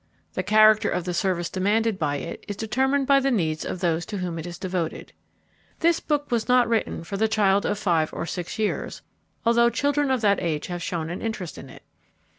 The character of the service demanded by it is determined by the needs of those to whom it is devoted. This book was not written for the child of five or six years, although children of that age have shown an interest in it.